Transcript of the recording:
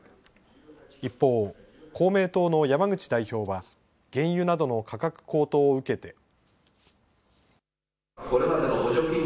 一方、公明党の山口代表は原油などの価格高騰を受けて。